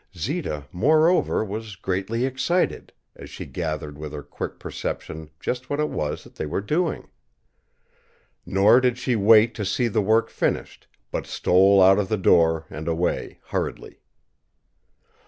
Zita, moreover, was greatly excited, as she gathered with her quick perception just what it was that they were doing. Nor did she wait to see the work finished, but stole out of the door and away hurriedly.